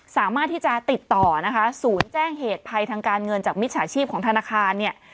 สามารถที่จะติดต่อนะคะศูนย์แจ้งเหตุภัยทางการเงินจากมิจฉาชีพของธนาคารเนี่ย